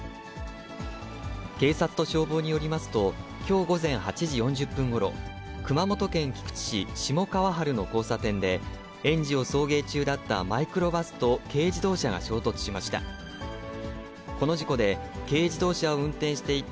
警察と消防によりますと、きょう午前８時４０分ごろ、熊本県菊池市しもかわはるの交差点で、園児を送迎中だったマイクロバスと軽自動車が衝突しました。